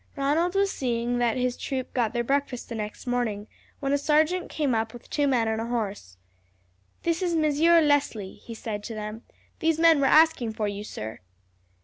Ronald was seeing that his troop got their breakfast next morning, when a sergeant came up with two men with a horse. "This is Monsieur Leslie," he said to them. "These men were asking for you, sir."